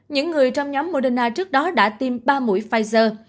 những người trong nhóm moderna trước đó đã tiêm ba mũi pfizer